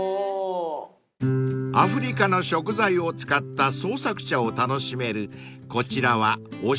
［アフリカの食材を使った創作茶を楽しめるこちらは］